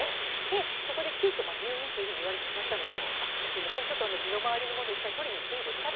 で、そこで急きょ、入院っていうふうに言われてしまったので、すみません、ちょっと身の回りのものを一回、取りに行っていいですか？